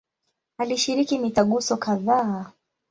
Alishiriki mitaguso kadhaa.